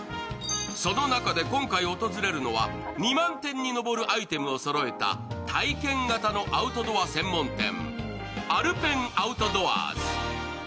その中で今回訪れるのは、２万点を上るアイテムをそろえた体験型のアウトドア専門店、ＡｌｐｅｎＯｕｔｄｏｏｒｓ。